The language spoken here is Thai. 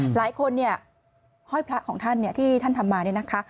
หลายคนเนี่ยห้อยพระของท่านที่ท่านทำมา